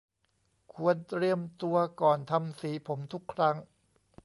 ควรเตรียมตัวก่อนทำสีผมทุกครั้ง